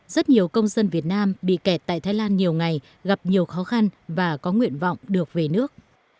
rất nhiều công dân việt nam bị kẹt tại thái lan nhiều ngày gặp nhiều khó khăn và có nguyện vọng được về nước